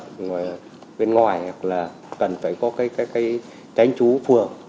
còn bên ngoài là cần phải có cái tránh chú phường